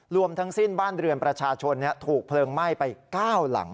รวมทั้งสิ้นบ้านเรือนประชาชนถูกเพลิงไหม้ไป๙หลัง